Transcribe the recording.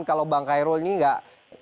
kalau bang kairul ini enggak